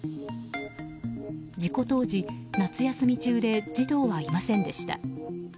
事故当時、夏休み中で児童はいませんでした。